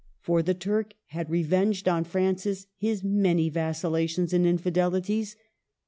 For the Turk had re venged on Francis his many vacillations and infidelities.